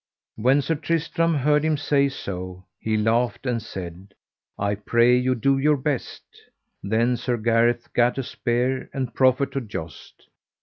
When Sir Tristram heard him say so he laughed, and said: I pray you do your best. Then Sir Gareth gat a spear and proffered to joust.